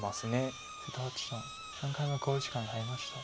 瀬戸八段３回目の考慮時間に入りました。